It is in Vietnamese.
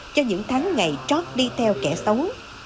cho những tháng ngày trót đi theo kẻ xấu